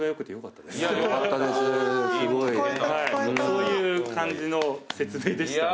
そういう感じの説明でしたね。